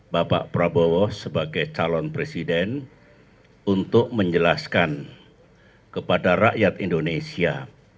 bapak prabowo sebagai calon presiden untuk menjelaskan kepada rakyat indonesia